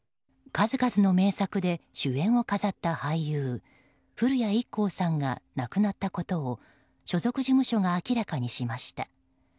数々の名作で主演を飾った俳優古谷一行が亡くなったことを所属事務所が明らかにしました。